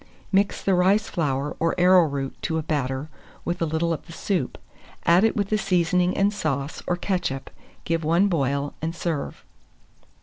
Mix the rice flour or arrowroot to a batter with a little of the soup; add it with the seasoning and sauce, or ketchup. Give one boil, and serve.